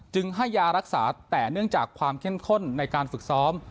ให้ยารักษาแต่เนื่องจากความเข้มข้นในการฝึกซ้อม